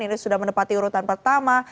inggris sudah menepati urutan pertama